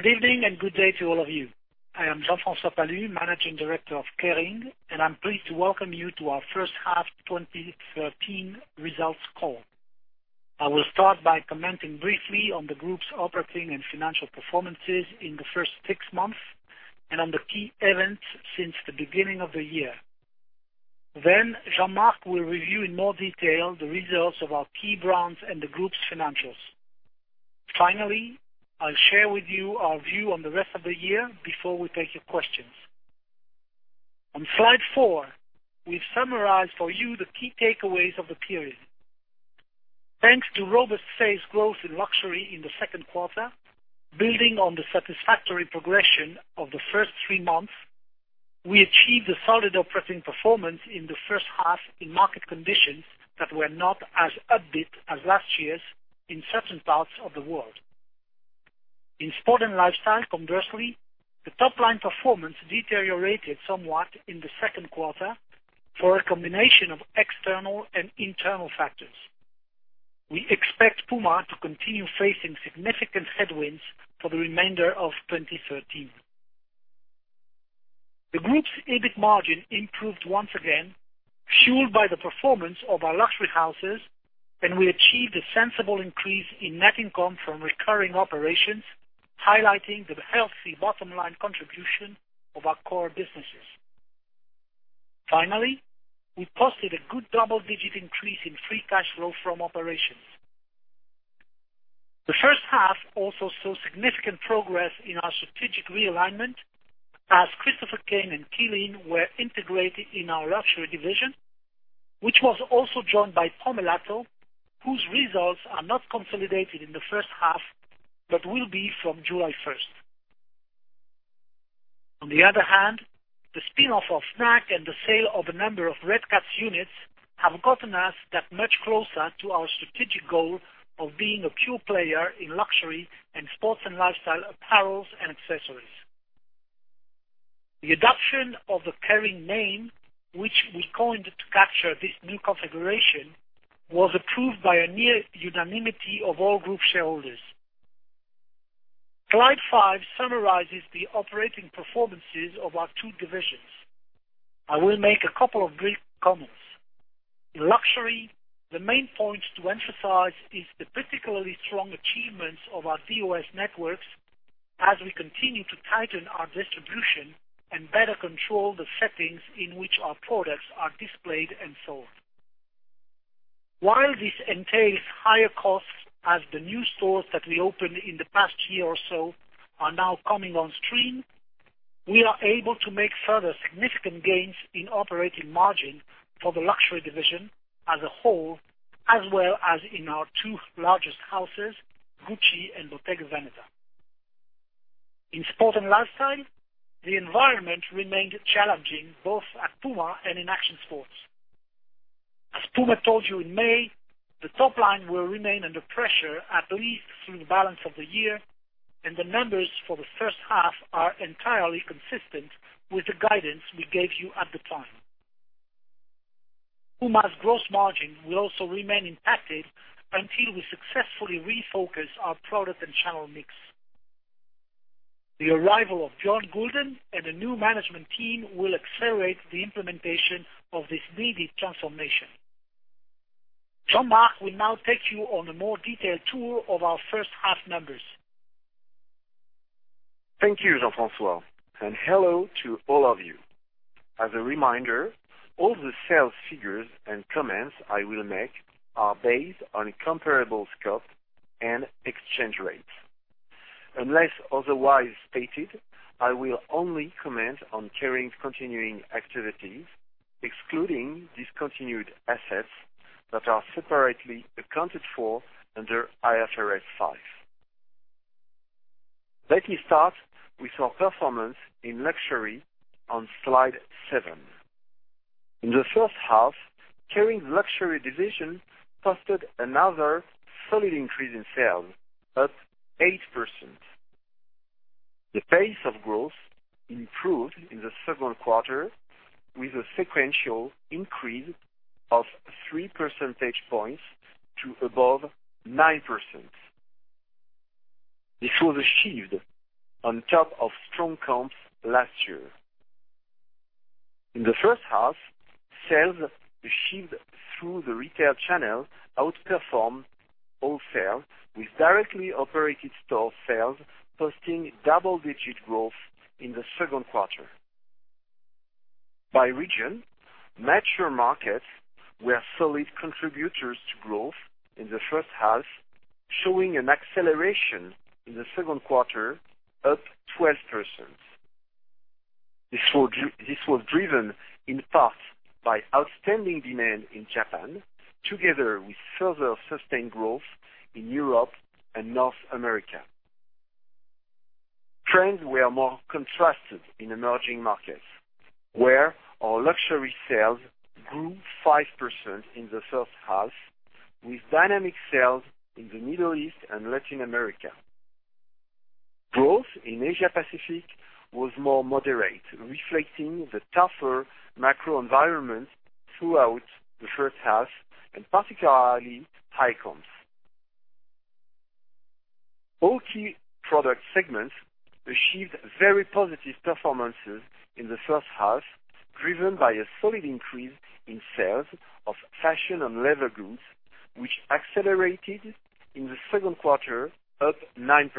Good evening and good day to all of you. I am Jean-François Palus, Managing Director of Kering, and I'm pleased to welcome you to our first-half 2013 results call. I will start by commenting briefly on the group's operating and financial performances in the first six months and on the key events since the beginning of the year. Jean-Marc Duplaix will review in more detail the results of our key brands and the group's financials. Finally, I'll share with you our view on the rest of the year before we take your questions. On slide four, we've summarized for you the key takeaways of the period. Thanks to robust sales growth in luxury in the second quarter, building on the satisfactory progression of the first three months, we achieved a solid operating performance in the first half in market conditions that were not as upbeat as last year's in certain parts of the world. In sport and lifestyle, conversely, the top-line performance deteriorated somewhat in the second quarter for a combination of external and internal factors. We expect Puma to continue facing significant headwinds for the remainder of 2013. The group's EBIT margin improved once again, fueled by the performance of our luxury houses, and we achieved a sensible increase in net income from recurring operations, highlighting the healthy bottom-line contribution of our core businesses. Finally, we posted a good double-digit increase in free cash flow from operations. The first half also saw significant progress in our strategic realignment as Christopher Kane and Qeelin were integrated in our luxury division, which was also joined by Pomellato, whose results are not consolidated in the first half but will be from July 1st. On the other hand, the spin-off of Fnac and the sale of a number of Redcats units have gotten us that much closer to our strategic goal of being a pure player in luxury and sports and lifestyle apparels and accessories. The adoption of the Kering name, which we coined to capture this new configuration, was approved by a near unanimity of all group shareholders. Slide five summarizes the operating performances of our two divisions. I will make a couple of brief comments. In luxury, the main point to emphasize is the particularly strong achievements of our DOS networks as we continue to tighten our distribution and better control the settings in which our products are displayed and sold. While this entails higher costs as the new stores that we opened in the past year or so are now coming on stream, we are able to make further significant gains in operating margin for the luxury division as a whole, as well as in our two largest houses, Gucci and Bottega Veneta. In sport and lifestyle, the environment remained challenging both at Puma and in action sports. As Puma told you in May, the top line will remain under pressure at least through the balance of the year, and the numbers for the first half are entirely consistent with the guidance we gave you at the time. Puma's gross margin will also remain impacted until we successfully refocus our product and channel mix. The arrival of Bjørn Gulden and the new management team will accelerate the implementation of this needed transformation. Jean-Marc Duplaix will now take you on a more detailed tour of our first-half numbers. Thank you, Jean-François. Hello to all of you. As a reminder, all the sales figures and comments I will make are based on comparable scope and exchange rates. Unless otherwise stated, I will only comment on Kering's continuing activities, excluding discontinued assets that are separately accounted for under IFRS 5. Let me start with our performance in luxury on slide seven. In the first half, Kering's luxury division posted another solid increase in sales, up 8%. The pace of growth improved in the second quarter with a sequential increase of 3 percentage points to above 9%. This was achieved on top of strong comps last year. In the first half, sales achieved through the retail channel outperformed all sales, with directly operated store sales posting double-digit growth in the second quarter. By region, mature markets were solid contributors to growth in the first half, showing an acceleration in the second quarter, up 12%. This was driven in part by outstanding demand in Japan, together with further sustained growth in Europe and North America. Trends were more contrasted in emerging markets, where our luxury sales grew 5% in the first half, with dynamic sales in the Middle East and Latin America. Growth in Asia Pacific was more moderate, reflecting the tougher macro environment throughout the first half, and particularly high comps. All key product segments achieved very positive performances in the first half, driven by a solid increase in sales of fashion and leather goods, which accelerated in the second quarter, up 9%.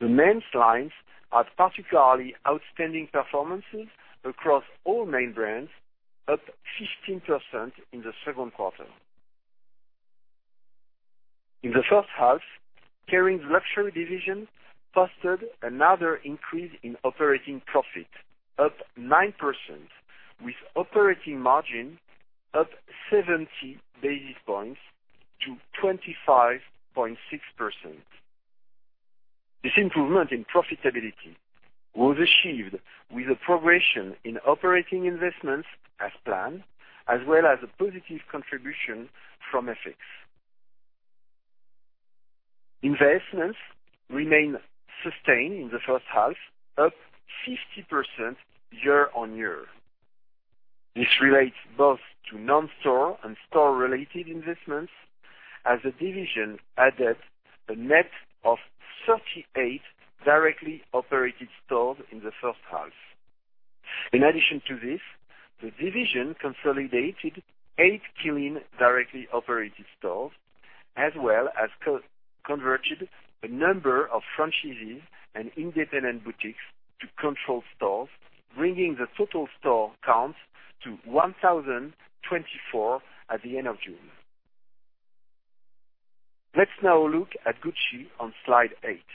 The men's lines had particularly outstanding performances across all main brands, up 15% in the second quarter. In the first half, Kering's luxury division fostered another increase in operating profit, up 9%, with operating margin up 70 basis points to 25.6%. This improvement in profitability was achieved with a progression in operating investments as planned, as well as a positive contribution from FX. Investments remain sustained in the first half, up 50% year-over-year. This relates both to non-store and store-related investments as the division added a net of 38 directly operated stores in the first half. In addition to this, the division consolidated eight Qeelin directly operated stores, as well as converted a number of franchises and independent boutiques to controlled stores, bringing the total store count to 1,024 at the end of June. Let's now look at Gucci on slide eight.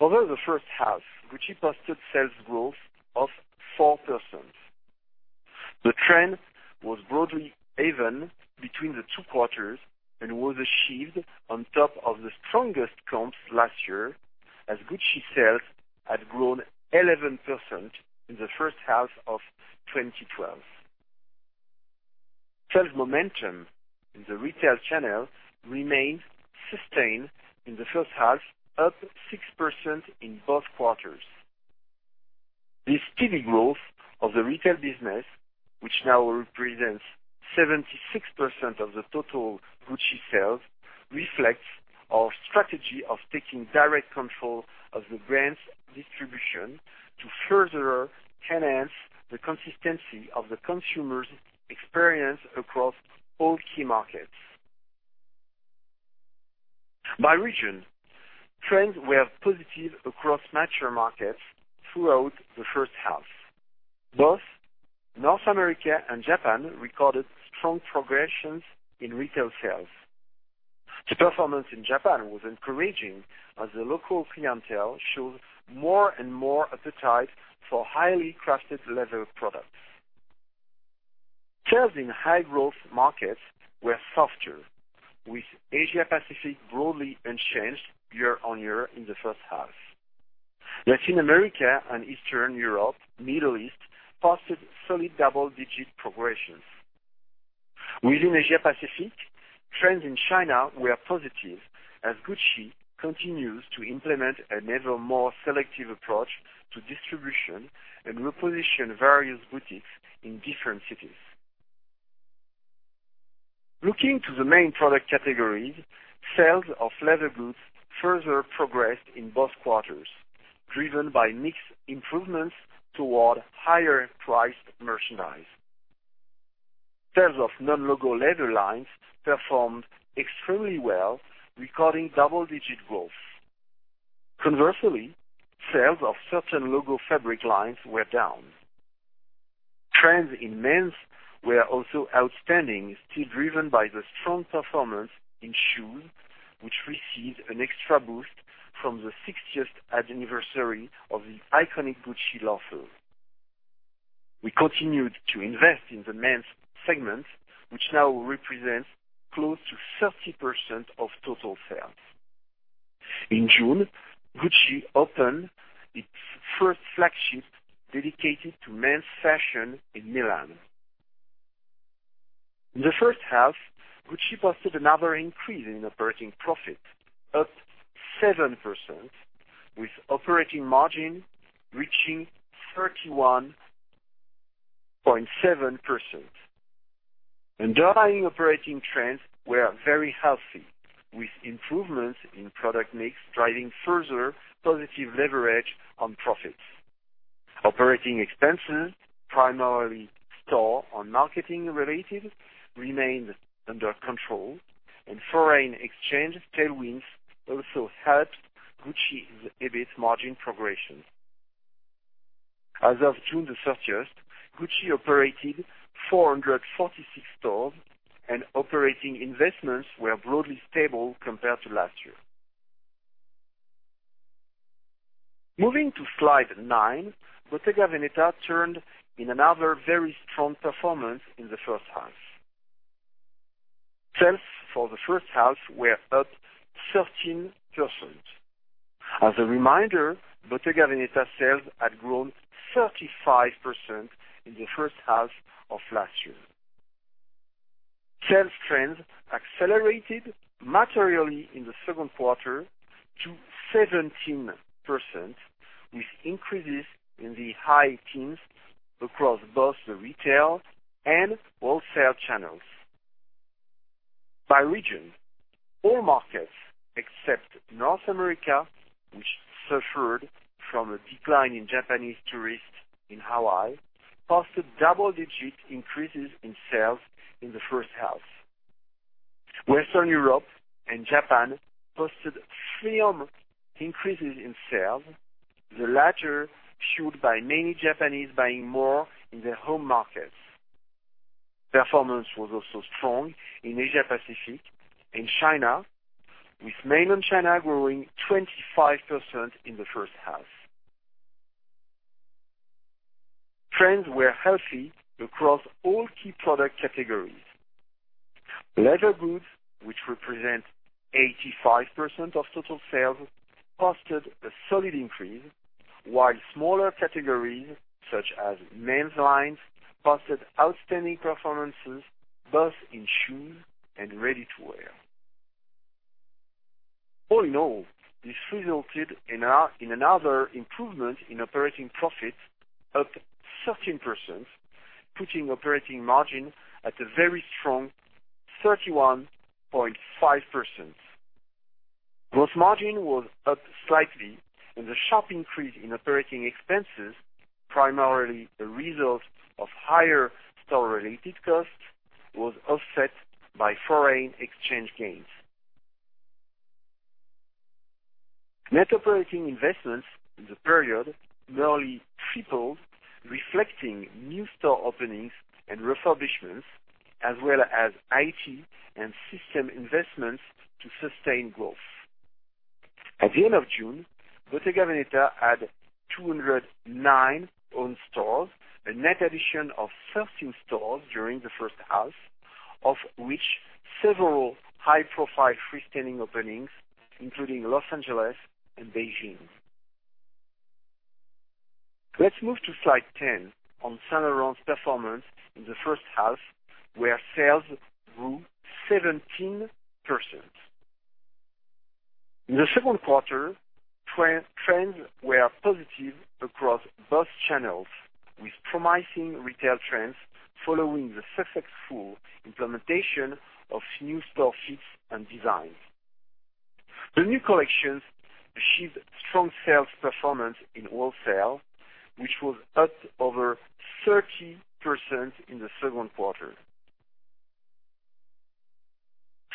Over the first half, Gucci posted sales growth of 4%. The trend was broadly even between the two quarters and was achieved on top of the strongest comps last year, as Gucci sales had grown 11% in the first half of 2012. Sales momentum in the retail channel remained sustained in the first half, up 6% in both quarters. This steady growth of the retail business, which now represents 76% of the total Gucci sales, reflects our strategy of taking direct control of the brand's distribution to further enhance the consistency of the consumer's experience across all key markets. By region, trends were positive across mature markets throughout the first half. Both North America and Japan recorded strong progressions in retail sales. The performance in Japan was encouraging as the local clientele showed more and more appetite for highly crafted leather products. Sales in high-growth markets were softer, with Asia Pacific broadly unchanged year-on-year in the first half. Latin America and Eastern Europe, Middle East posted solid double-digit progressions. Within Asia Pacific, trends in China were positive as Gucci continues to implement an ever more selective approach to distribution and reposition various boutiques in different cities. Looking to the main product categories, sales of leather goods further progressed in both quarters, driven by mix improvements toward higher-priced merchandise. Sales of non-logo leather lines performed extremely well, recording double-digit growth. Conversely, sales of certain logo fabric lines were down. Trends in men's were also outstanding, still driven by the strong performance in shoes, which received an extra boost from the 60th anniversary of the iconic Gucci loafer. We continued to invest in the men's segment, which now represents close to 30% of total sales. In June, Gucci opened its first flagship dedicated to men's fashion in Milan. In the first half, Gucci posted another increase in operating profit, up 7%, with operating margin reaching 31.7%. Underlying operating trends were very healthy, with improvements in product mix driving further positive leverage on profits. Operating expenses, primarily store on marketing-related, remained under control, and foreign exchange tailwinds also helped Gucci's EBIT margin progression. As of June 30th, Gucci operated 446 stores, and operating investments were broadly stable compared to last year. Moving to slide nine, Bottega Veneta turned in another very strong performance in the first half. Sales for the first half were up 13%. As a reminder, Bottega Veneta sales had grown 35% in the first half of last year. Sales trends accelerated materially in the second quarter to 17%, with increases in the high teens across both the retail and wholesale channels. By region, all markets except North America, which suffered from a decline in Japanese tourists in Hawaii, posted double-digit increases in sales in the first half. Western Europe and Japan posted firm increases in sales, the latter fueled by many Japanese buying more in their home markets. Performance was also strong in Asia Pacific and China, with mainland China growing 25% in the first half. Trends were healthy across all key product categories. Leather goods, which represent 85% of total sales, posted a solid increase, while smaller categories such as men's lines posted outstanding performances both in shoes and ready-to-wear. All in all, this resulted in another improvement in operating profit, up 13%, putting operating margin at a very strong 31.5%. Gross margin was up slightly, and the sharp increase in operating expenses, primarily a result of higher store-related costs, was offset by foreign exchange gains. Net operating investments in the period nearly tripled, reflecting new store openings and refurbishments, as well as IT and system investments to sustain growth. At the end of June, Bottega Veneta had 209 owned stores, a net addition of 13 stores during the first half, of which several high-profile freestanding openings, including Los Angeles and Beijing. Let's move to slide 10 on Saint Laurent's performance in the first half, where sales grew 17%. In the second quarter, trends were positive across both channels, with promising retail trends following the successful implementation of new store fits and designs. The new collections achieved strong sales performance in wholesale, which was up over 30% in the second quarter.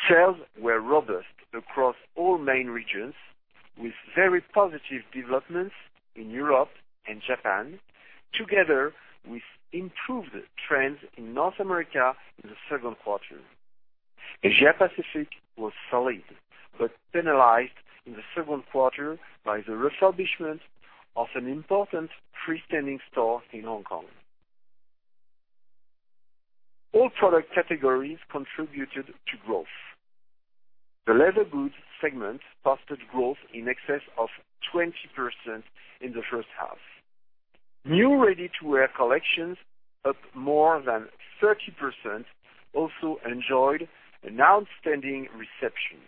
Sales were robust across all main regions, with very positive developments in Europe and Japan, together with improved trends in North America in the second quarter. Asia Pacific was solid, but penalized in the second quarter by the refurbishment of an important freestanding store in Hong Kong. All product categories contributed to growth. The leather goods segment posted growth in excess of 20% in the first half. New ready-to-wear collections, up more than 30%, also enjoyed an outstanding reception.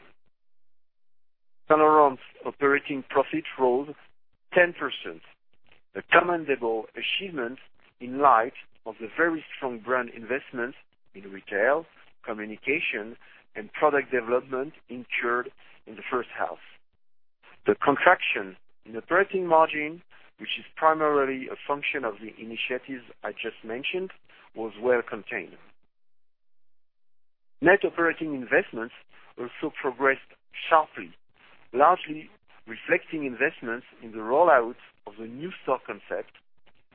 Saint Laurent's operating profit rose 10%, a commendable achievement in light of the very strong brand investments in retail, communication, and product development incurred in the first half. The contraction in operating margin, which is primarily a function of the initiatives I just mentioned, was well contained. Net operating investments also progressed sharply, largely reflecting investments in the rollout of the new stock concept,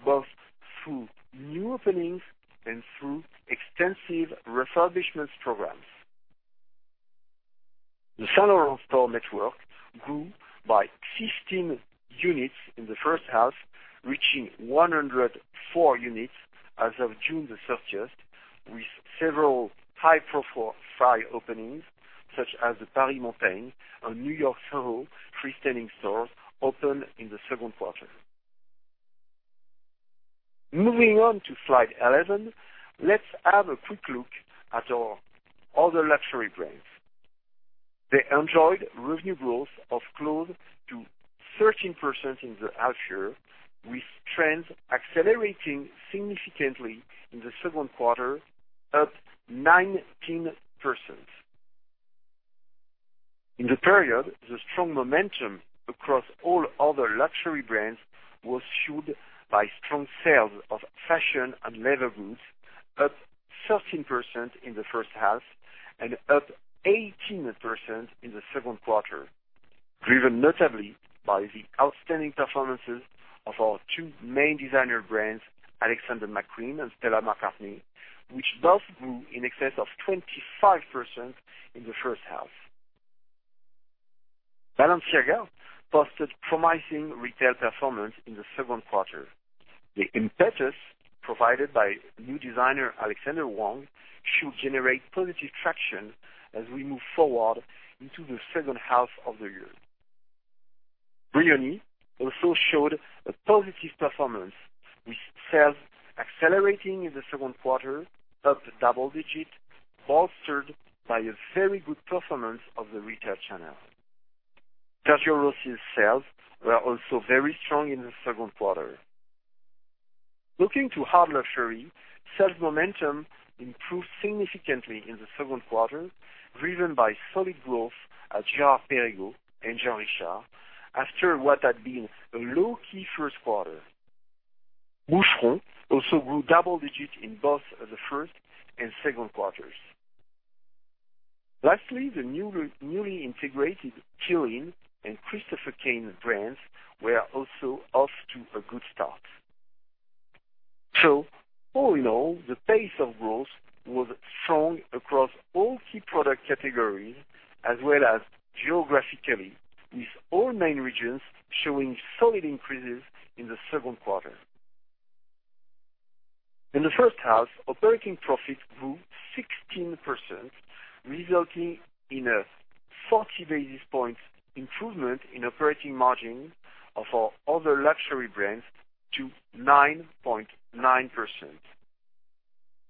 both through new openings and through extensive refurbishment programs. The Saint Laurent store network grew by 15 units in the first half, reaching 104 units as of June the 30th, with several high-profile openings such as the Paris Montaigne and New York SoHo freestanding stores opened in the second quarter. Moving on to slide 11, let's have a quick look at our other luxury brands. They enjoyed revenue growth of close to 13% in the half year, with trends accelerating significantly in the second quarter, up 19%. In the period, the strong momentum across all other luxury brands was fueled by strong sales of fashion and leather goods, up 13% in the first half and up 18% in the second quarter, driven notably by the outstanding performances of our two main designer brands, Alexander McQueen and Stella McCartney, which both grew in excess of 25% in the first half. Balenciaga posted promising retail performance in the second quarter. The impetus provided by new designer Alexander Wang should generate positive traction as we move forward into the second half of the year. Brioni also showed a positive performance, with sales accelerating in the second quarter up double digit, bolstered by a very good performance of the retail channel. Sergio Rossi's sales were also very strong in the second quarter. Looking to hard luxury, sales momentum improved significantly in the second quarter, driven by solid growth at Girard-Perregaux and JeanRichard after what had been a low-key first quarter. Boucheron also grew double digits in both the first and second quarters. Lastly, the newly integrated Qeelin and Christopher Kane brands were also off to a good start. All in all, the pace of growth was strong across all key product categories as well as geographically, with all main regions showing solid increases in the second quarter. In the first half, operating profit grew 16%, resulting in a 40 basis points improvement in operating margin of our other luxury brands to 9.9%.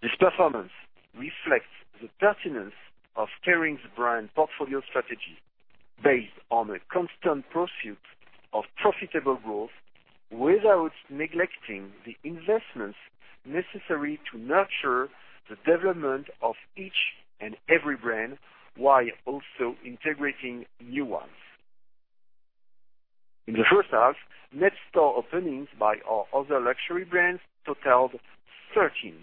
This performance reflects the pertinence of Kering's brand portfolio strategy, based on a constant pursuit of profitable growth without neglecting the investments necessary to nurture the development of each and every brand, while also integrating new ones. In the first half, net store openings by our other luxury brands totaled 13.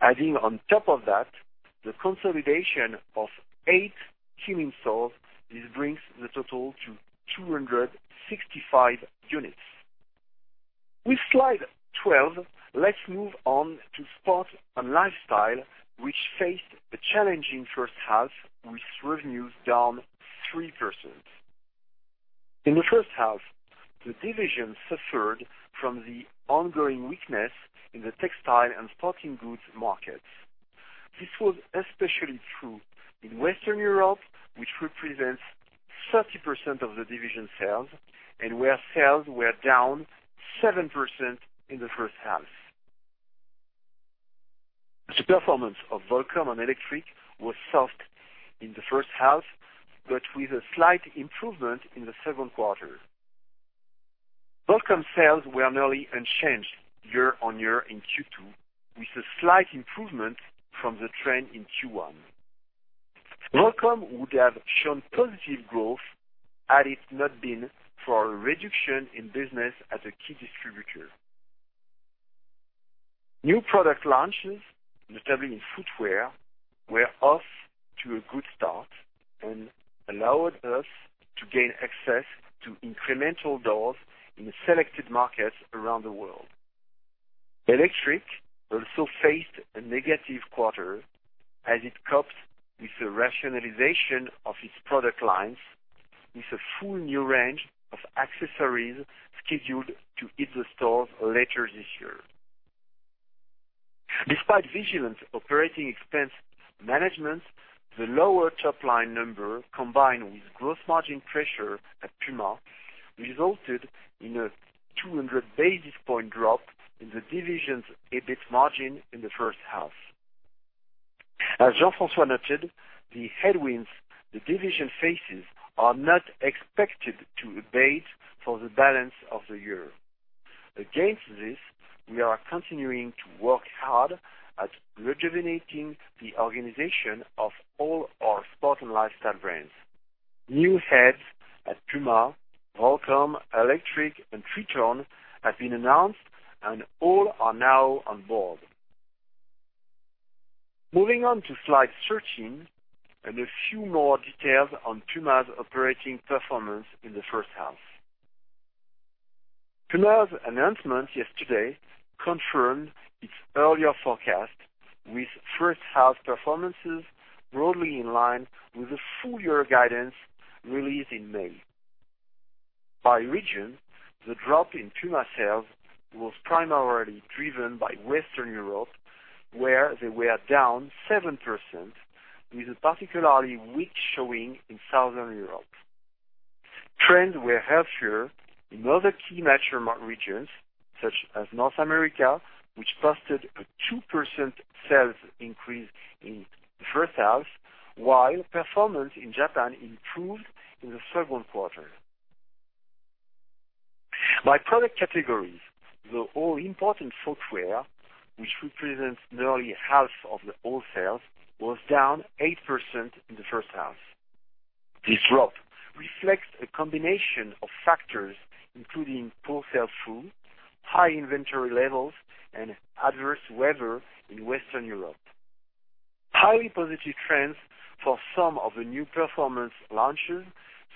Adding on top of that, the consolidation of eight Qeelin stores, this brings the total to 265 units. With slide 12, let's move on to sport and lifestyle, which faced a challenging first half, with revenues down 3%. In the first half, the division suffered from the ongoing weakness in the textile and sporting goods markets. This was especially true in Western Europe, which represents 30% of the division sales, and where sales were down 7% in the first half. The performance of Volcom and Electric was soft in the first half, but with a slight improvement in the second quarter. Volcom sales were nearly unchanged year-on-year in Q2, with a slight improvement from the trend in Q1. Volcom would have shown positive growth had it not been for a reduction in business as a key distributor. New product launches, notably in footwear, were off to a good start and allowed us to gain access to incremental doors in selected markets around the world. Electric also faced a negative quarter as it copes with the rationalization of its product lines with a full new range of accessories scheduled to hit the stores later this year. Despite vigilant operating expense management, the lower top-line number, combined with gross margin pressure at Puma, resulted in a 200 basis point drop in the division's EBIT margin in the first half. As Jean-François noted, the headwinds the division faces are not expected to abate for the balance of the year. Against this, we are continuing to work hard at rejuvenating the organization of all our sport and lifestyle brands. New heads at Puma, Volcom, Electric, and Tretorn have been announced, and all are now on board. Moving on to slide 13 and a few more details on Puma's operating performance in the first half. Puma's announcement yesterday confirmed its earlier forecast, with first-half performances broadly in line with the full-year guidance released in May. By region, the drop in Puma sales was primarily driven by Western Europe, where they were down 7%, with a particularly weak showing in Southern Europe. Trends were healthier in other key mature regions such as North America, which posted a 2% sales increase in the first half, while performance in Japan improved in the second quarter. By product categories, the all-important footwear, which represents nearly half of the all sales, was down 8% in the first half. This drop reflects a combination of factors, including poor sell-through, high inventory levels, and adverse weather in Western Europe. Highly positive trends for some of the new performance launches,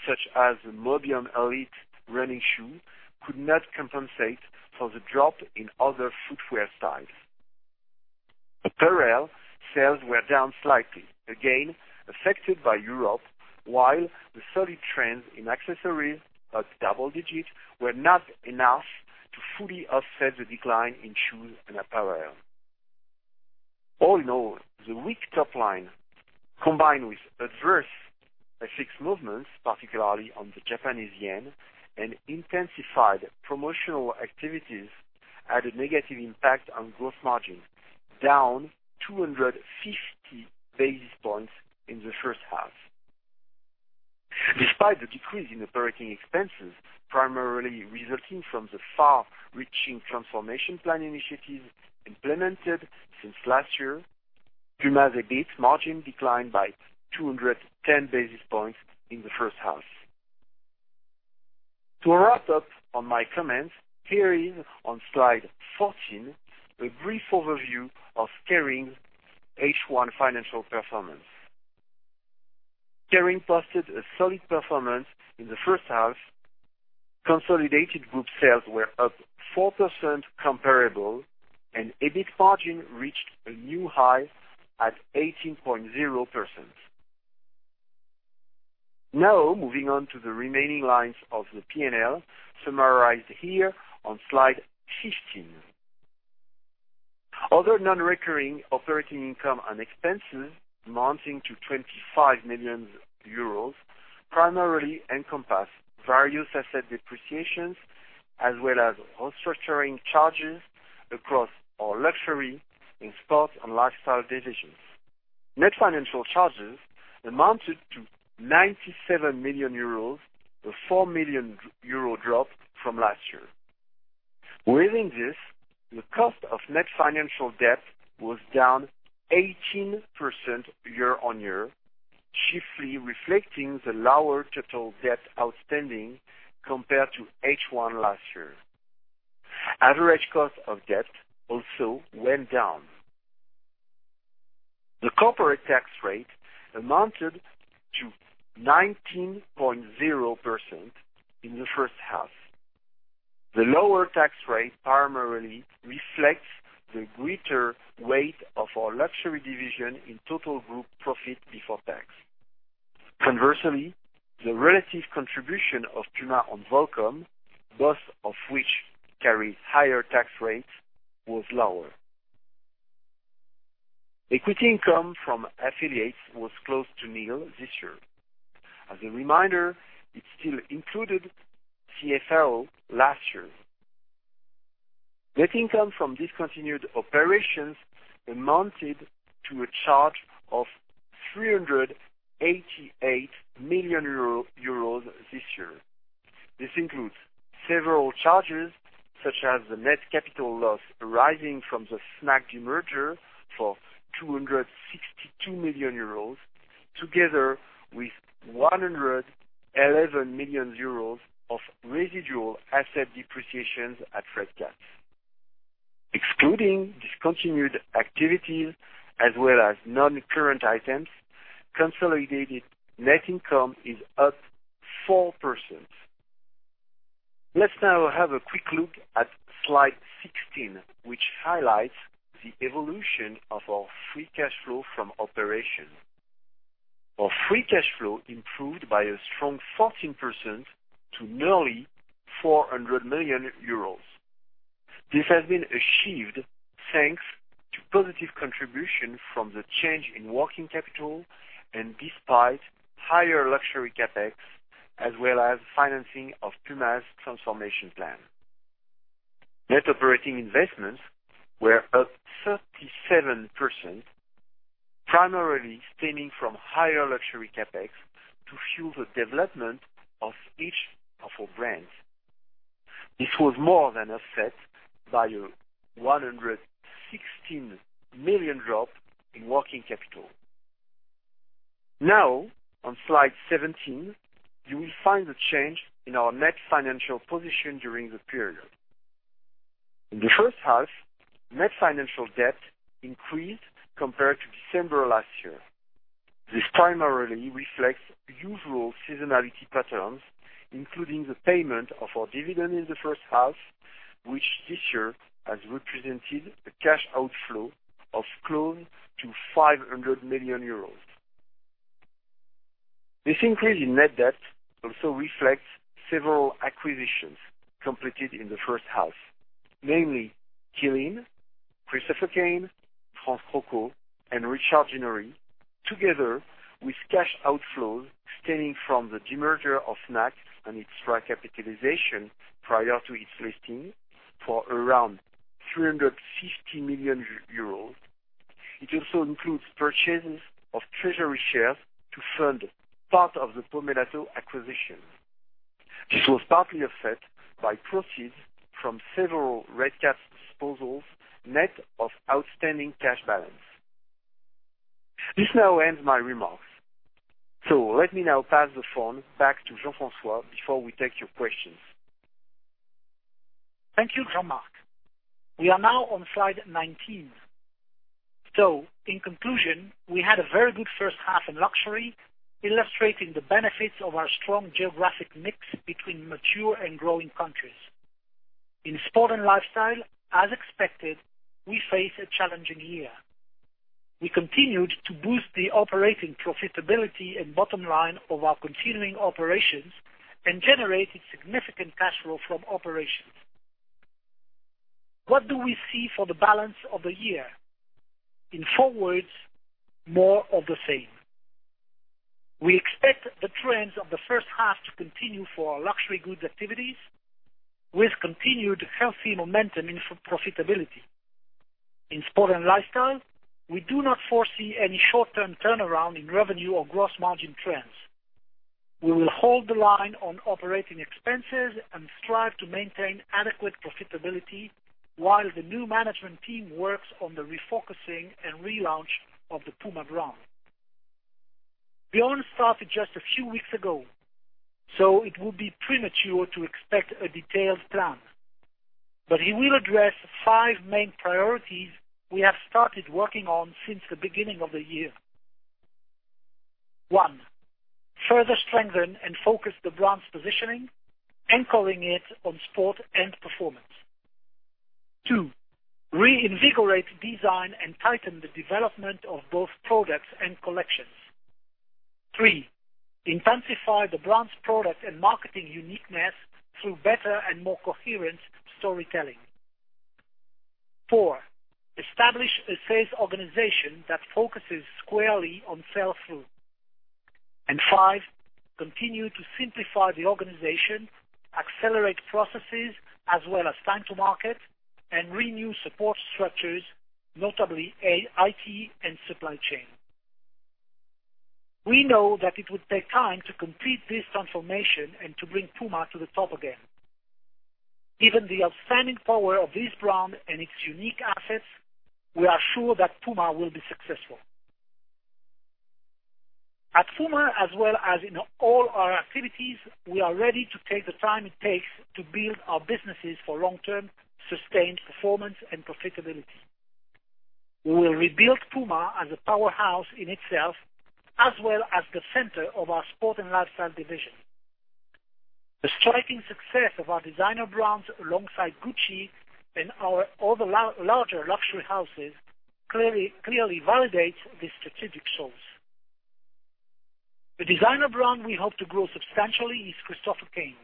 such as the Mobium Elite running shoe, could not compensate for the drop in other footwear styles. Apparel sales were down slightly, again affected by Europe, while the solid trends in accessories at double digits were not enough to fully offset the decline in shoes and apparel. All in all, the weak top line, combined with adverse FX movements, particularly on the Japanese yen, and intensified promotional activities, had a negative impact on gross margin, down 250 basis points in the first half. Despite the decrease in operating expenses, primarily resulting from the far-reaching transformation plan initiatives implemented since last year, Puma's EBIT margin declined by 210 basis points in the first half. To wrap up on my comments, here is, on slide 14, a brief overview of Kering's H1 financial performance. Kering posted a solid performance in the first half. Consolidated group sales were up 4% comparable, and EBIT margin reached a new high at 18.0%. Moving on to the remaining lines of the P&L, summarized here on slide 15. Other non-recurring operating income and expenses amounting to 25 million euros primarily encompass various asset depreciations as well as restructuring charges across our luxury and sport and lifestyle divisions. Net financial charges amounted to 97 million euros, a 4 million euro drop from last year. Within this, the cost of net financial debt was down 18% year-on-year, chiefly reflecting the lower total debt outstanding compared to H1 last year. Average cost of debt also went down. The corporate tax rate amounted to 19.0% in the first half. The lower tax rate primarily reflects the greater weight of our luxury division in total group profit before tax. Conversely, the relative contribution of Puma and Volcom, both of which carry higher tax rates, was lower. Equity income from affiliates was close to nil this year. As a reminder, it still included CFL last year. Net income from discontinued operations amounted to a charge of 388 million euro this year. This includes several charges, such as the net capital loss arising from the Fnac demerger for 262 million euros, together with 111 million euros of residual asset depreciations at Redcats. Excluding discontinued activities as well as non-current items, consolidated net income is up 4%. Let's now have a quick look at slide 16, which highlights the evolution of our free cash flow from operations. Our free cash flow improved by a strong 14% to nearly 400 million euros. This has been achieved thanks to positive contribution from the change in working capital and despite higher luxury CapEx, as well as financing of Puma's transformation plan. Net operating investments were up 37%, primarily stemming from higher luxury CapEx to fuel the development of each of our brands. This was more than offset by a 116 million drop in working capital. On slide 17, you will find the change in our net financial position during the period. In the first half, net financial debt increased compared to December last year. This primarily reflects usual seasonality patterns, including the payment of our dividend in the first half, which this year has represented a cash outflow of close to 500 million euros. This increase in net debt also reflects several acquisitions completed in the first half, namely Qeelin, Christopher Kane, France Croco, and Richard Ginori, together with cash outflows stemming from the demerger of Fnac and its track capitalization prior to its listing for around 350 million euros. It also includes purchases of treasury shares to fund part of the Pomellato acquisition. This was partly offset by proceeds from several Redcats disposals, net of outstanding cash balance. This now ends my remarks. Let me now pass the phone back to Jean-François before we take your questions. Thank you, Jean-Marc. We are now on slide 19. In conclusion, we had a very good first half in luxury, illustrating the benefits of our strong geographic mix between mature and growing countries. In sport and lifestyle, as expected, we face a challenging year. We continued to boost the operating profitability and bottom line of our continuing operations and generated significant cash flow from operations. What do we see for the balance of the year? In four words, more of the same. We expect the trends of the first half to continue for our luxury goods activities, with continued healthy momentum in profitability. In sport and lifestyle, we do not foresee any short-term turnaround in revenue or gross margin trends. We will hold the line on operating expenses and strive to maintain adequate profitability while the new management team works on the refocusing and relaunch of the Puma brand. Bjørn started just a few weeks ago, it would be premature to expect a detailed plan. He will address five main priorities we have started working on since the beginning of the year. One, further strengthen and focus the brand's positioning, anchoring it on sport and performance. Two, reinvigorate design and tighten the development of both products and collections. Three, intensify the brand's product and marketing uniqueness through better and more coherent storytelling. Four, establish a sales organization that focuses squarely on sell-through. Five, continue to simplify the organization, accelerate processes, as well as time to market, and renew support structures, notably IT and supply chain. We know that it would take time to complete this transformation and to bring Puma to the top again. Given the outstanding power of this brand and its unique assets, we are sure that Puma will be successful. At Puma, as well as in all our activities, we are ready to take the time it takes to build our businesses for long-term, sustained performance and profitability. We will rebuild Puma as a powerhouse in itself, as well as the center of our sport and lifestyle division. The striking success of our designer brands alongside Gucci and all the larger luxury houses clearly validates these strategic choices. The designer brand we hope to grow substantially is Christopher Kane.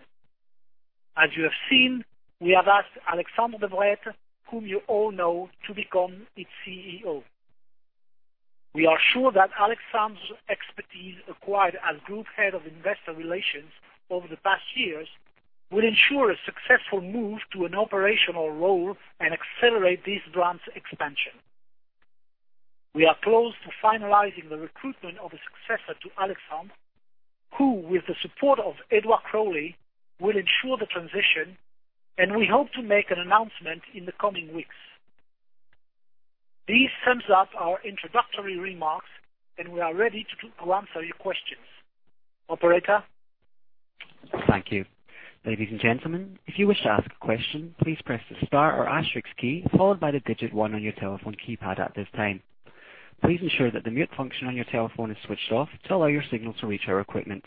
As you have seen, we have asked Alexandre de Brettes, whom you all know, to become its CEO. We are sure that Alexandre's expertise acquired as group head of investor relations over the past years will ensure a successful move to an operational role and accelerate this brand's expansion. We are close to finalizing the recruitment of a successor to Alexandre, who, with the support of Edouard Crowley, will ensure the transition, and we hope to make an announcement in the coming weeks. This sums up our introductory remarks, and we are ready to answer your questions. Operator? Thank you. Ladies and gentlemen, if you wish to ask a question, please press the star or asterisk key followed by the digit one on your telephone keypad at this time. Please ensure that the mute function on your telephone is switched off to allow your signal to reach our equipment.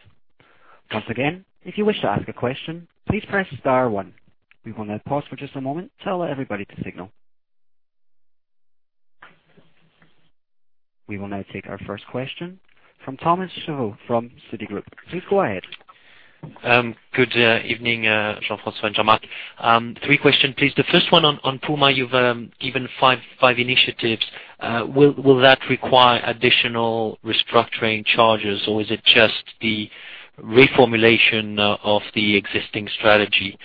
Once again, if you wish to ask a question, please press star one. We will now pause for just a moment to allow everybody to signal. We will now take our first question from Thomas Chauvet from Citigroup. Please go ahead. Good evening, Jean-François and Jean-Marc. Three question, please. The first one on Puma. You've given five initiatives. Will that require additional restructuring charges, or is it just the reformulation of the existing strategy?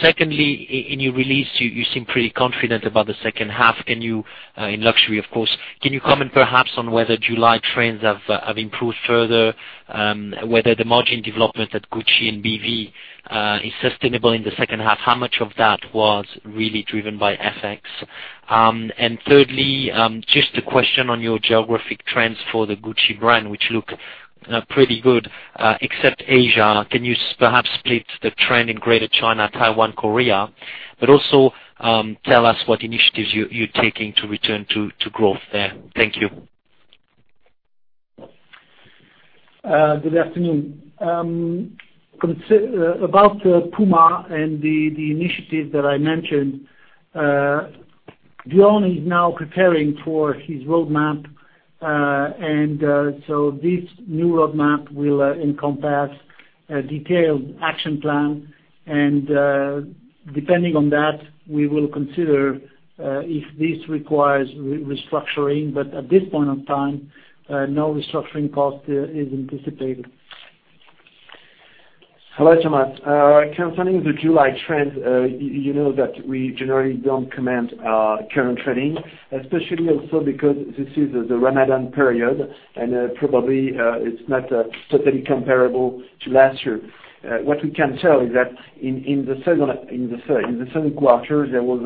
Secondly, in your release, you seem pretty confident about the second half. In luxury, of course. Can you comment perhaps on whether July trends have improved further, whether the margin development at Gucci and BV is sustainable in the second half? How much of that was really driven by FX? Thirdly, just a question on your geographic trends for the Gucci brand, which look pretty good, except Asia. Also tell us what initiatives you're taking to return to growth there. Thank you. Good afternoon. About Puma and the initiative that I mentioned, Bjørn is now preparing for his roadmap. So this new roadmap will encompass a detailed action plan. Depending on that, we will consider if this requires restructuring. At this point of time, no restructuring cost is anticipated. Hello, Thomas. Concerning the July trends, you know that we generally don't comment our current trading, especially also because this is the Ramadan period, and probably it's not totally comparable to last year. What we can tell is that in the second quarter, there was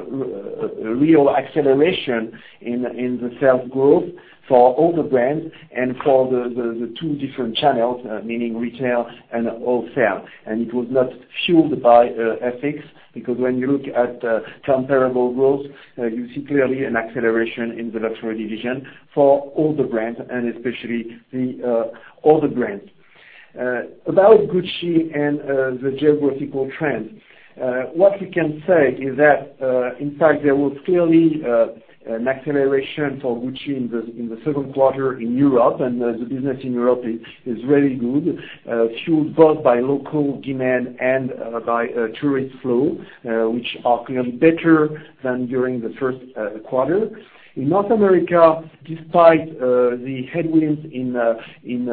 a real acceleration in the sales growth for all the brands and for the two different channels, meaning retail and wholesale. It was not fueled by FX, because when you look at comparable growth, you see clearly an acceleration in the Luxury Division for all the brands and especially all the brands. About Gucci and the geographical trends. What we can say is that, in fact, there was clearly an acceleration for Gucci in the second quarter in Europe, and the business in Europe is really good. Fueled both by local demand and by tourist flow, which are clearly better than during the first quarter. In North America, despite the headwinds in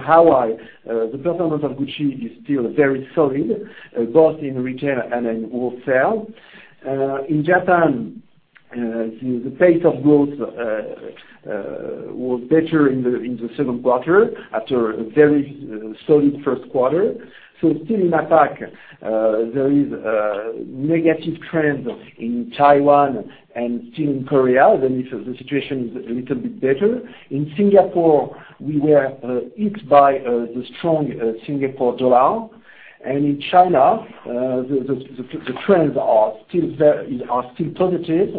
Hawaii, the performance of Gucci is still very solid, both in retail and in wholesale. In Japan, the pace of growth was better in the second quarter after a very solid first quarter. Still in APAC, there is a negative trend in Taiwan and still in Korea, the situation is a little bit better. In Singapore, we were hit by the strong SGD. In China, the trends are still positive,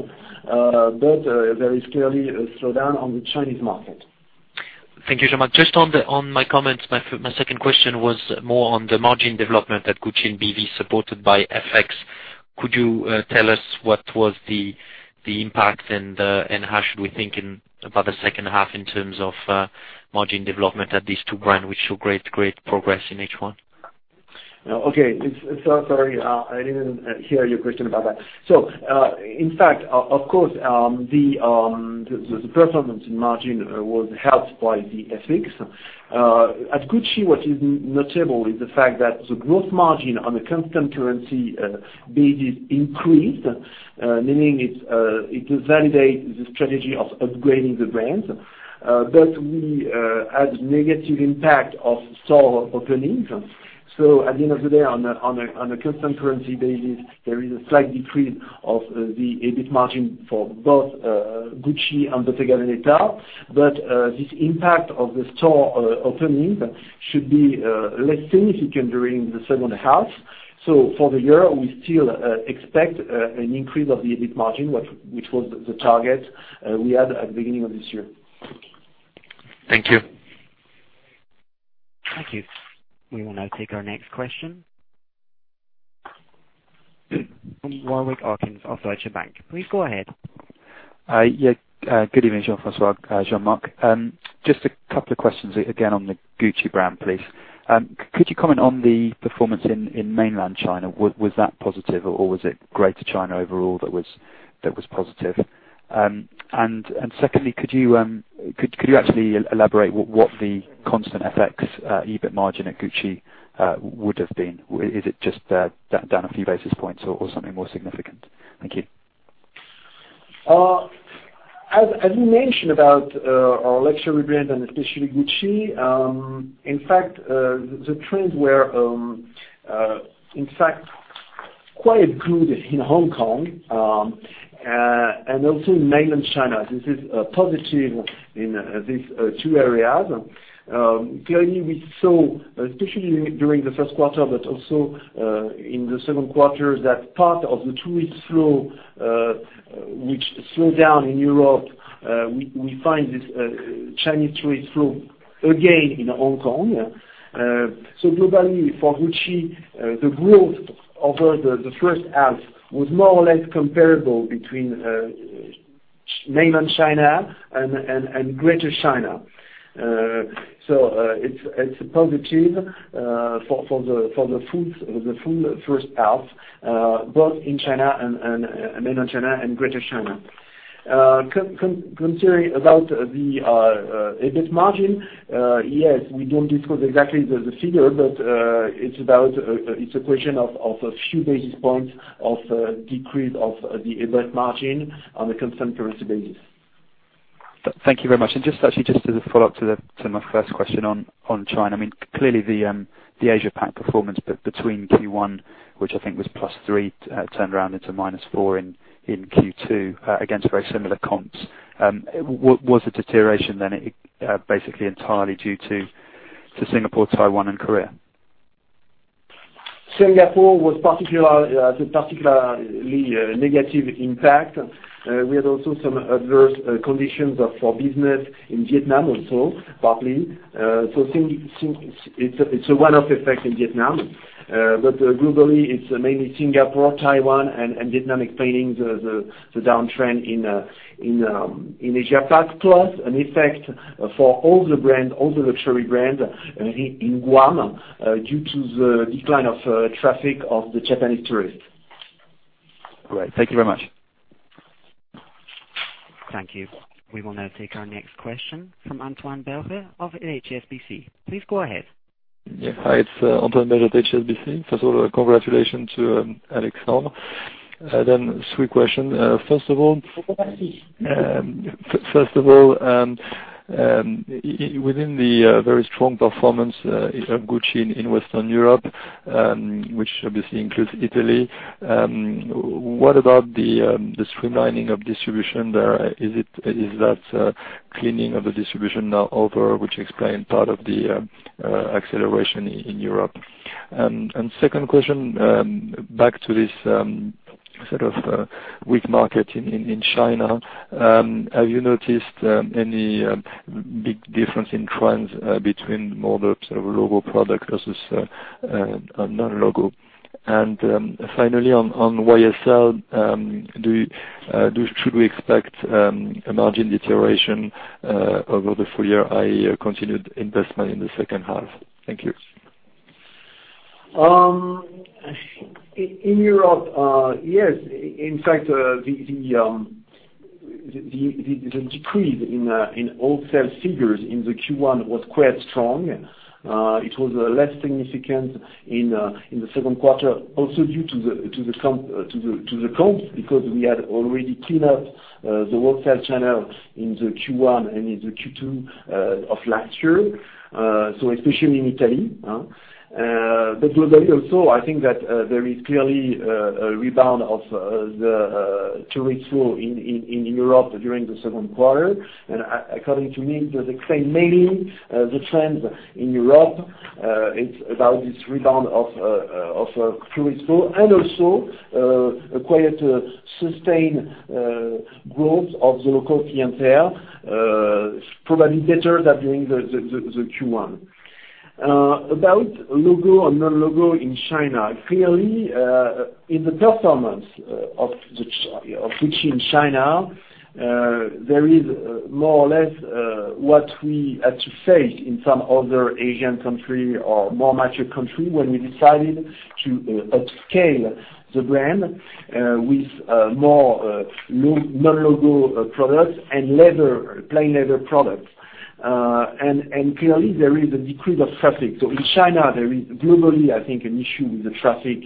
but there is clearly a slowdown on the Chinese market. Thank you, Jean-Marc. Just on my comments, my second question was more on the margin development that Gucci and BV supported by FX. Could you tell us what was the impact and how should we think about the second half in terms of margin development at these two brands, which show great progress in H1? Okay. Sorry, I didn't hear your question about that. In fact, of course, the performance margin was helped by the FX. At Gucci, what is notable is the fact that the gross margin on a constant currency basis increased, meaning it will validate the strategy of upgrading the brands. We had negative impact of store openings. At the end of the day, on a constant currency basis, there is a slight decrease of the EBIT margin for both Gucci and Bottega Veneta. This impact of the store openings should be less significant during the second half. For the year, we still expect an increase of the EBIT margin, which was the target we had at the beginning of this year. Thank you. Thank you. We will now take our next question. From Warwick Okines of Deutsche Bank. Please go ahead. Yeah. Good evening, Jean-François, Jean-Marc. Just a couple of questions again on the Gucci brand, please. Could you comment on the performance in mainland China? Was that positive, or was it greater China overall that was positive? Secondly, could you actually elaborate what the constant FX EBIT margin at Gucci would've been? Is it just down a few basis points or something more significant? Thank you. As you mentioned about our luxury brand, and especially Gucci, in fact, the trends were quite good in Hong Kong, and also in mainland China. This is positive in these two areas. Clearly, we saw, especially during the first quarter, but also in the second quarter, that part of the tourist flow, which slowed down in Europe, we find this Chinese tourist flow again in Hong Kong. Globally, for Gucci, the growth over the first half was more or less comparable between mainland China and Greater China. It's positive for the full first half, both in China and mainland China and Greater China. Concerning about the EBIT margin, yes, we don't disclose exactly the figure, but it's a question of a few basis points of decrease of the EBIT margin on a constant currency basis. Thank you very much. Just actually just as a follow-up to my first question on China, clearly the Asia-Pac performance between Q1, which I think was +3%, turned around into -4% in Q2, against very similar comps. Was the deterioration then basically entirely due to Singapore, Taiwan, and Korea? Singapore was a particularly negative impact. We had also some adverse conditions for business in Vietnam also, partly. It's a one-off effect in Vietnam. Globally, it's mainly Singapore, Taiwan, and Vietnam explaining the downtrend in Asia-Pac. Plus an effect for all the brands, all the luxury brands in Guam, due to the decline of traffic of the Japanese tourists. Great. Thank you very much. Thank you. We will now take our next question from Antoine Belge of HSBC. Please go ahead. Hi, it's Antoine Belge at HSBC. First of all, congratulations to Alexandre. Three questions. Thank you. First of all, within the very strong performance of Gucci in Western Europe, which obviously includes Italy, what about the streamlining of distribution there? Is that cleaning of the distribution now over, which explained part of the acceleration in Europe? Second question, back to this sort of weak market in China. Have you noticed any big difference in trends between more of the logo product versus non-logo? Finally, on YSL, should we expect a margin deterioration over the full year i.e. continued investment in the second half? Thank you. In Europe, yes. In fact, the decrease in wholesale figures in the Q1 was quite strong. It was less significant in the second quarter also due to the comp because we had already cleaned up the wholesale channel in the Q1 and in the Q2 of last year, especially in Italy. Also, I think that there is clearly a rebound of the tourist flow in Europe during the second quarter. According to me, they explain mainly the trends in Europe. It's about this rebound of tourist flow and also acquired a sustained growth of the local clientele, probably better than during the Q1. About logo and non-logo in China. Clearly, in the performance of Gucci in China, there is more or less what we had to face in some other Asian country or more mature country when we decided to upscale the brand with more non-logo products and plain leather products. Clearly, there is a decrease of traffic. In China, there is globally, I think, an issue with the traffic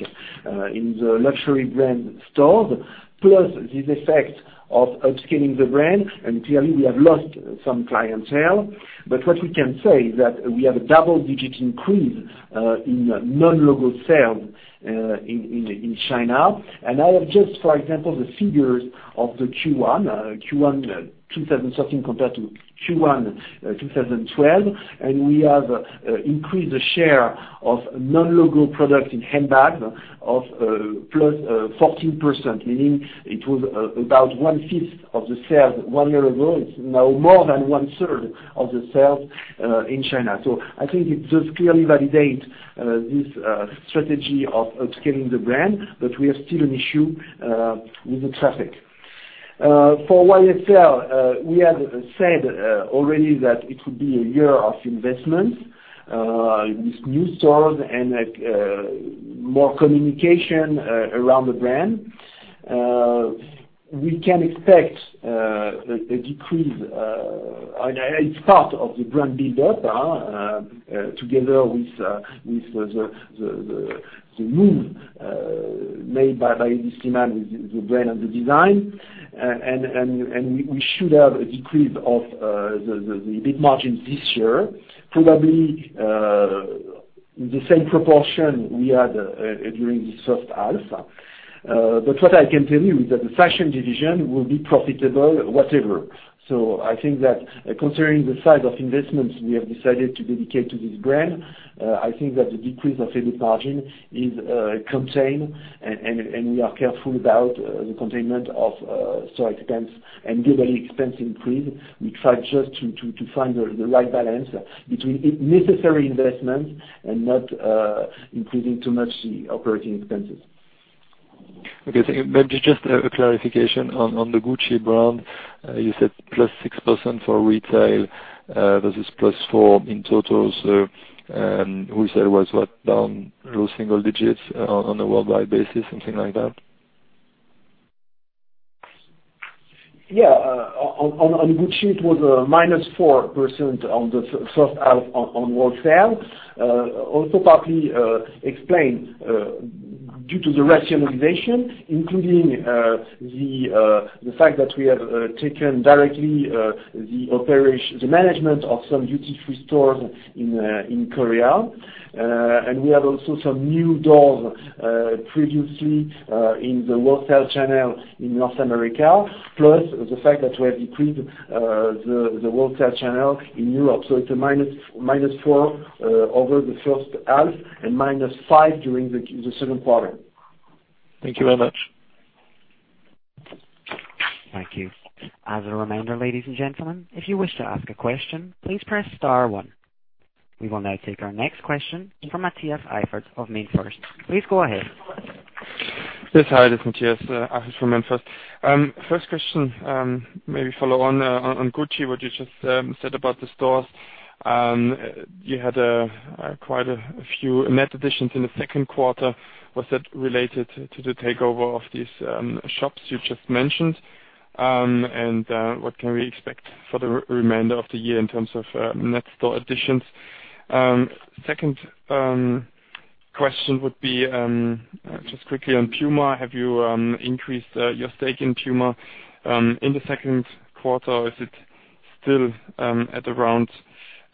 in the luxury brand stores, plus this effect of upscaling the brand. Clearly, we have lost some clientele. What we can say is that we have a double-digit increase in non-logo sales in China. I have just, for example, the figures of the Q1. Q1 2013 compared to Q1 2012, we have increased the share of non-logo product in handbags of +14%, meaning it was about one-fifth of the sales one year ago. It's now more than one-third of the sales in China. I think it does clearly validate this strategy of upscaling the brand, but we have still an issue with the traffic. For YSL, we have said already that it would be a year of investment with new stores and more communication around the brand. We can expect a decrease. It's part of the brand build-up together with the move made by [this demand] with the brand and the design. We should have a decrease of the EBIT margin this year, probably the same proportion we had during the first half. What I can tell you is that the fashion division will be profitable, whatever. I think that considering the size of investments we have decided to dedicate to this brand, I think that the decrease of EBIT margin is contained, and we are careful about the containment of store expense and global expense increase. We try just to find the right balance between necessary investments and not increasing too much the operating expenses. Okay, thank you. Maybe just a clarification on the Gucci brand. You said +6% for retail versus +4% in total. Retail was what? Down low single digits on a worldwide basis, something like that? On Gucci, it was a minus 4% on the first half on wholesale. Also partly explained due to the rationalization, including the fact that we have taken directly the management of some duty-free stores in Korea. We have also some new doors previously in the wholesale channel in North America, plus the fact that we have decreased the wholesale channel in Europe. It's a minus 4 over the first half and minus 5 during the second quarter. Thank you very much. Thank you. As a reminder, ladies and gentlemen, if you wish to ask a question, please press star one. We will now take our next question from Matthias Seifert of Nomura. Please go ahead. Hi, this is Matthias Seifert from Nomura. First question, maybe follow on Gucci, what you just said about the stores. You had quite a few net additions in the second quarter. Was that related to the takeover of these shops you just mentioned? What can we expect for the remainder of the year in terms of net store additions? Second question would be, just quickly on Puma. Have you increased your stake in Puma in the second quarter, or is it still at around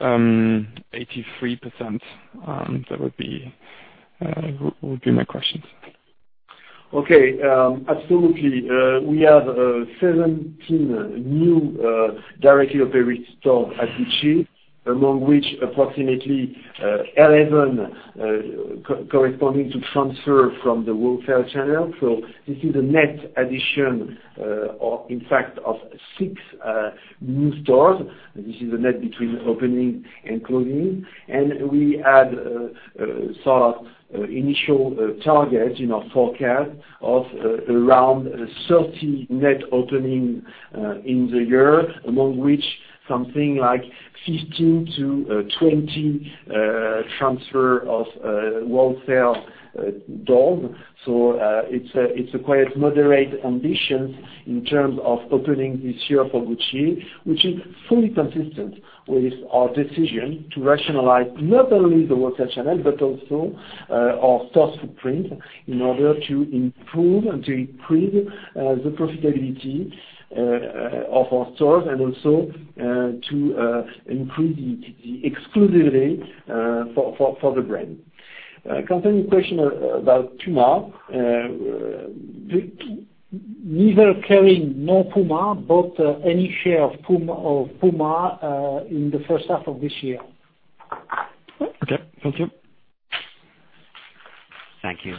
83%? That would be my questions. Okay. Absolutely. We have 17 new directly operated stores at Gucci, among which approximately 11 corresponding to transfer from the wholesale channel. This is a net addition of six new stores. This is a net between opening and closing. We had initial targets in our forecast of around 30 net openings in the year, among which something like 15-20 transfer of wholesale stores. It's a quite moderate ambition in terms of opening this year for Gucci, which is fully consistent with our decision to rationalize not only the wholesale channel but also our store footprint in order to improve the profitability of our stores and also to improve the exclusivity for the brand. Concerning your question about Puma, neither Kering nor Puma bought any share of Puma in the first half of this year. Okay, thank you. Thank you.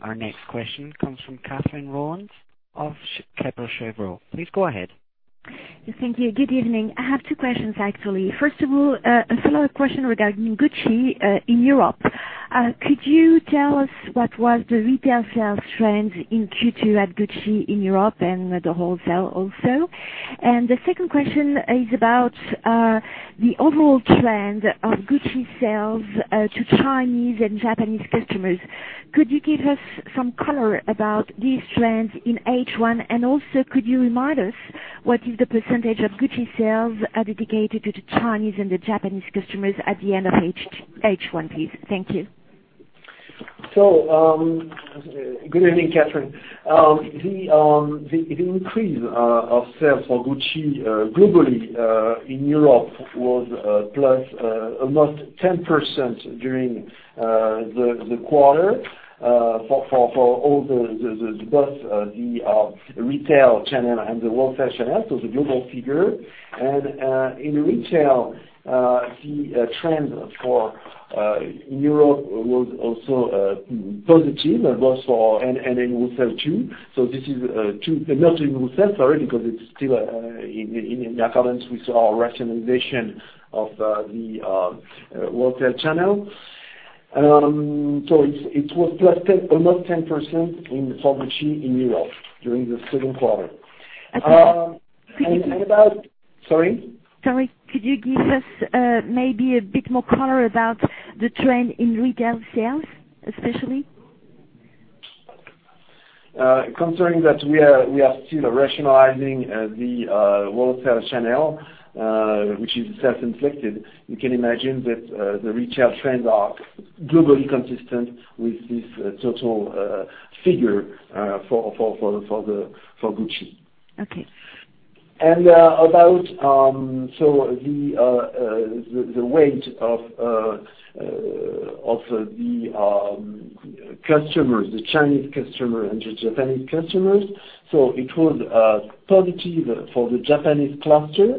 Our next question comes from Catherine Rolland of Kepler Cheuvreux. Please go ahead. Thank you. Good evening. I have two questions actually. First of all, a follow-up question regarding Gucci in Europe. Could you tell us what was the retail sales trend in Q2 at Gucci in Europe and the wholesale also? The second question is about the overall trend of Gucci sales to Chinese and Japanese customers. Could you give us some color about these trends in H1, also could you remind us what is the % of Gucci sales dedicated to the Chinese and the Japanese customers at the end of H1, please? Thank you. Good evening, Catherine. The increase of sales for Gucci globally in Europe was + almost 10% during the quarter, for both the retail channel and the wholesale channel, so the global figure. In retail, the trend for Europe was also positive and in wholesale, too. Not in wholesale, sorry, because it's still in accordance with our rationalization of the wholesale channel. It was + almost 10% for Gucci in Europe during the second quarter. Okay. Sorry? Sorry. Could you give us maybe a bit more color about the trend in retail sales, especially? Concerning that we are still rationalizing the wholesale channel, which is self-inflicted. You can imagine that the retail trends are globally consistent with this total figure for Gucci. Okay. About the weight of the Chinese customers and the Japanese customers. It was positive for the Japanese cluster.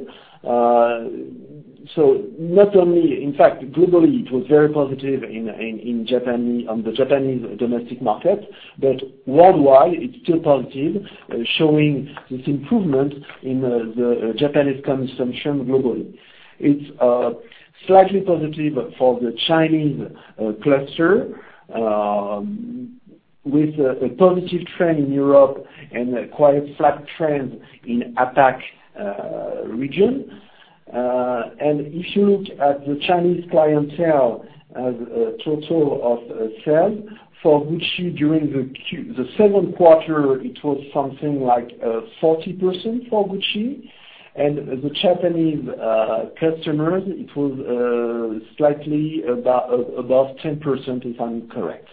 In fact, globally, it was very positive on the Japanese domestic market. Worldwide, it's still positive, showing this improvement in the Japanese consumption globally. It's slightly positive for the Chinese cluster, with a positive trend in Europe and a quite flat trend in APAC region. If you look at the Chinese clientele as a total of sales for Gucci during the second quarter, it was something like 40% for Gucci. The Japanese customers, it was slightly above 10%, if I'm correct.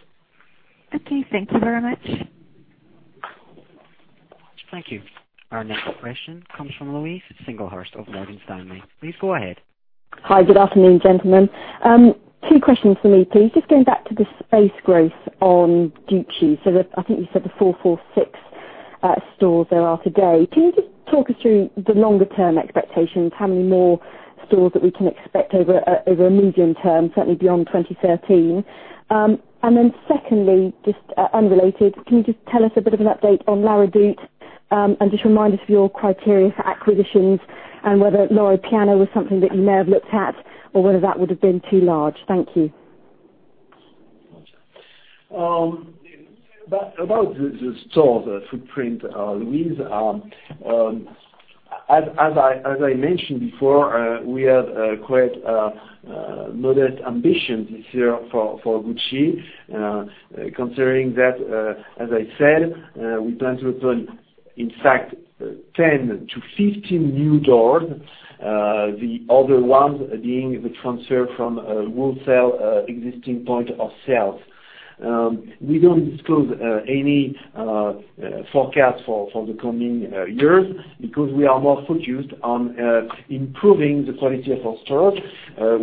Okay. Thank you very much. Thank you. Our next question comes from Louise Singlehurst of Morgan Stanley. Please go ahead. Hi. Good afternoon, gentlemen. Two questions from me, please. Just going back to the space growth on Gucci. I think you said the 446 stores there are today. Can you just talk us through the longer-term expectations? How many more stores that we can expect over a medium term, certainly beyond 2013? Secondly, just unrelated, can you just tell us a bit of an update on La Redoute and just remind us of your criteria for acquisitions and whether Loro Piana was something that you may have looked at, or whether that would have been too large? Thank you. About the store footprint, Louise. As I mentioned before, we have quite modest ambitions this year for Gucci, considering that, as I said, we plan to open in fact 10 to 15 new doors, the other ones being the transfer from wholesale existing point of sales. We don't disclose any forecast for the coming years because we are more focused on improving the quality of our stores.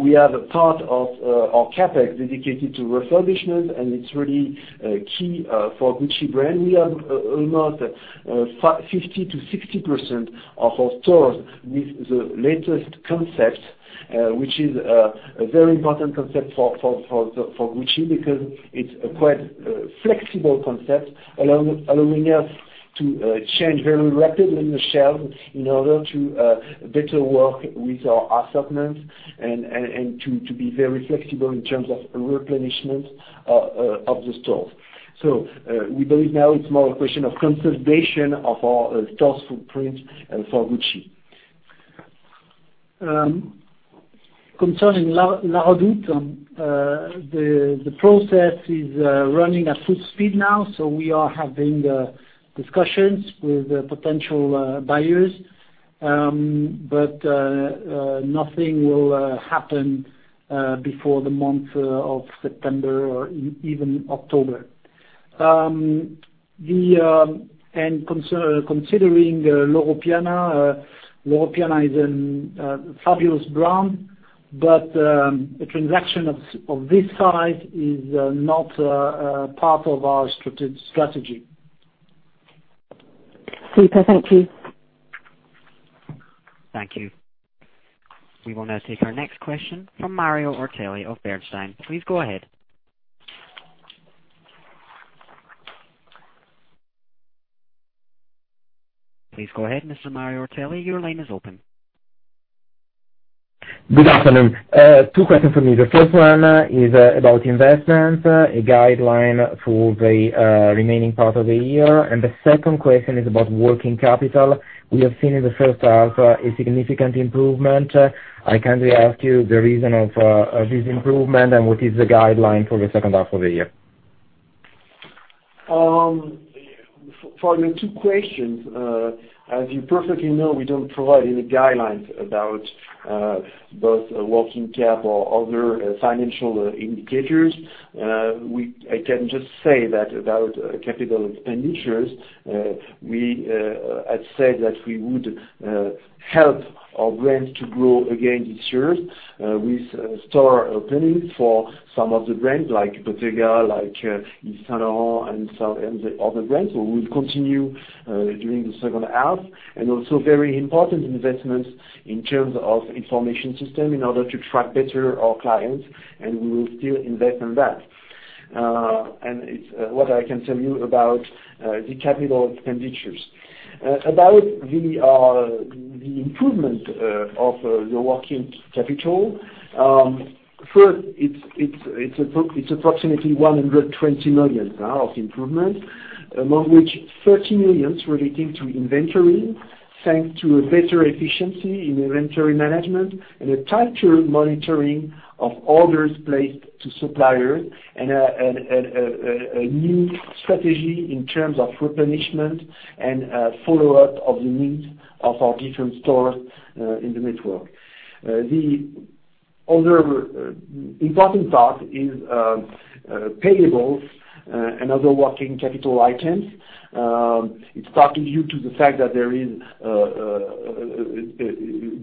We have a part of our CapEx dedicated to refurbishment, and it's really key for Gucci brand. We have almost 50%-60% of our stores with the latest concept, which is a very important concept for Gucci because it's quite a flexible concept, allowing us to change very rapidly in the shelves in order to better work with our assortments and to be very flexible in terms of replenishment of the stores. We believe now it's more a question of consolidation of our stores footprint for Gucci. Concerning La Redoute, the process is running at full speed now, so we are having discussions with potential buyers. Nothing will happen before the month of September or even October. Considering Loro Piana, Loro Piana is a fabulous brand, but a transaction of this size is not part of our strategy. Super, thank you. Thank you. We will now take our next question from Mario Ortelli of Bernstein. Please go ahead. Please go ahead, Mr. Mario Ortelli, your line is open. Good afternoon. Two questions from me. The first one is about investment, a guideline for the remaining part of the year, and the second question is about working capital. We have seen in the first half a significant improvement. I kindly ask you the reason of this improvement and what is the guideline for the second half of the year. For your two questions, as you perfectly know, we don't provide any guidelines about both working cap or other financial indicators. I can just say that about capital expenditures, we had said that we would help our brands to grow again this year with store openings for some of the brands like Bottega, like Yves Saint Laurent, and the other brands. We'll continue during the second half, and also very important investments in terms of information system in order to track better our clients, and we will still invest in that. It's what I can tell you about the capital expenditures. About the improvement of your working capital. First, it's approximately 120 million now of improvement, among which 30 million relating to inventory, thanks to a better efficiency in inventory management and a tighter monitoring of orders placed to suppliers and a new strategy in terms of replenishment and follow-up of the needs of our different stores in the network. The other important part is payables and other working capital items. It's partly due to the fact that there is a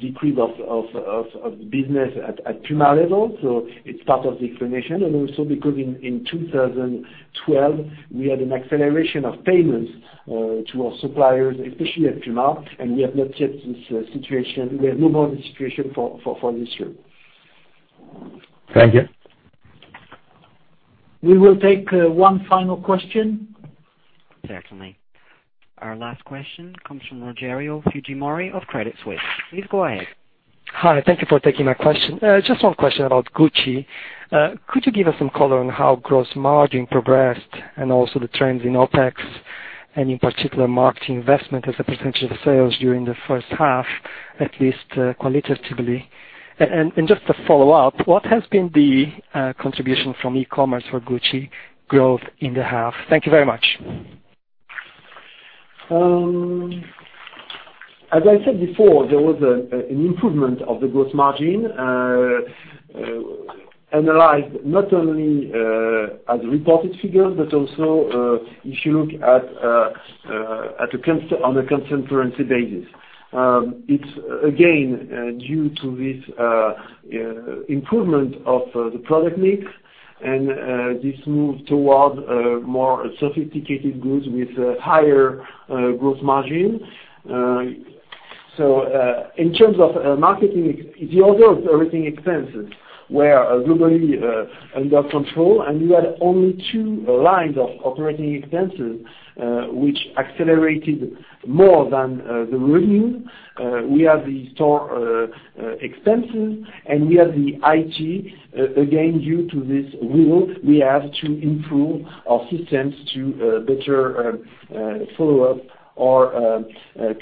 decrease of business at Puma level, it's part of the explanation, and also because in 2012, we had an acceleration of payments to our suppliers, especially at Puma, and we have not yet this situation. We have no more this situation for this year. Thank you. We will take one final question. Certainly. Our last question comes from Rogerio Fujimori of Credit Suisse. Please go ahead. Hi. Thank you for taking my question. Just one question about Gucci. Could you give us some color on how gross margin progressed and also the trends in OpEx and in particular, marketing investment as a percentage of sales during the first half, at least qualitatively? Just to follow up, what has been the contribution from e-commerce for Gucci growth in the half? Thank you very much. As I said before, there was an improvement of the gross margin, analyzed not only as reported figures, but also if you look on a constant currency basis. It is again, due to this improvement of the product mix and this move towards more sophisticated goods with higher gross margin. In terms of marketing, the other operating expenses were globally under control, and we had only two lines of operating expenses, which accelerated more than the revenue. We have the store expenses and we have the IT. Again, due to this rule, we have to improve our systems to better follow up our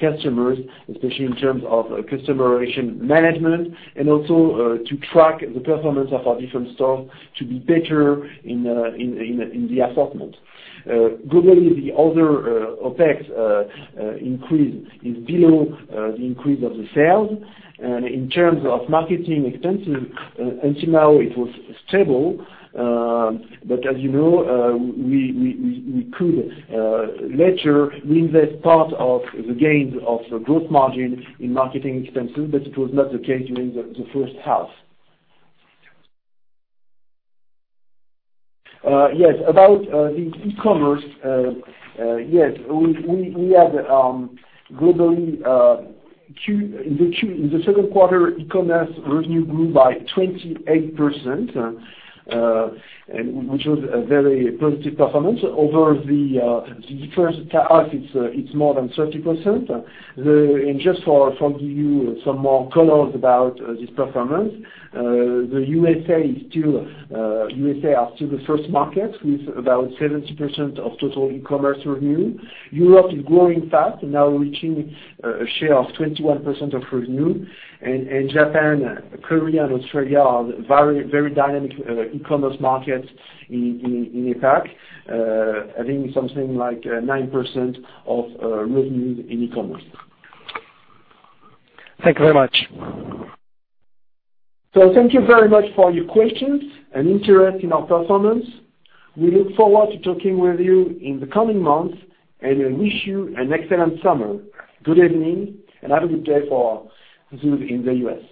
customers, especially in terms of customer relation management and also to track the performance of our different stores to be better in the assortment. Globally, the other OpEx increase is below the increase of the sales. In terms of marketing expenses, until now it was stable. As you know, we could later reinvest part of the gains of the gross margin in marketing expenses. It was not the case during the first half. Yes, about the e-commerce. Yes, we had globally, in the second quarter, e-commerce revenue grew by 28%, which was a very positive performance over the first half, it is more than 30%. Just to give you some more colors about this performance, the U.S.A. are still the first market with about 70% of total e-commerce revenue. Europe is growing fast now reaching a share of 21% of revenue. Japan, Korea, and Australia are very dynamic e-commerce markets in effect, having something like 9% of revenue in e-commerce. Thank you very much. Thank you very much for your questions and interest in our performance. We look forward to talking with you in the coming months, and we wish you an excellent summer. Good evening and have a good day for those in the U.S.